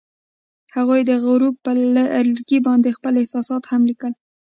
هغوی د غروب پر لرګي باندې خپل احساسات هم لیکل.